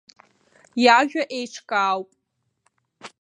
Иажәа еиҿкаауп!